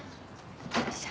よいしょ。